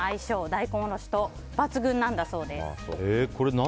大根おろしと抜群なんだそうです。